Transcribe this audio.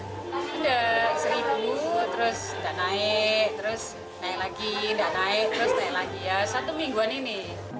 tidak rp satu terus tidak naik terus naik lagi tidak naik terus naik lagi ya satu mingguan ini